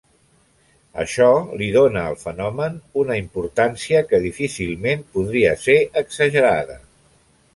Això li dóna al fenomen una importància que difícilment podria ser exagerada.